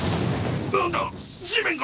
何だ地面が！